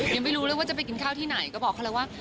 ยังไม่รู้เลยว่าจะไปกินข้าวที่ไหนก็บอกเขาเลยว่า